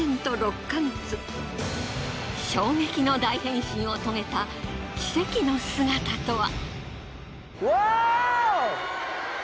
衝撃の大変身を遂げた奇跡の姿とは？